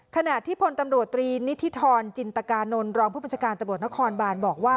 ขณะที่พลตำรวจตรีนิธิธรจินตกานนท์รองผู้บัญชาการตำรวจนครบานบอกว่า